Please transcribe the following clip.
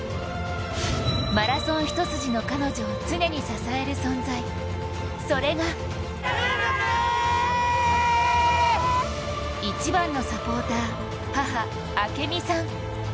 マラソン一筋の彼女を常に支える存在、それが一番のサポーター、母・明美さん。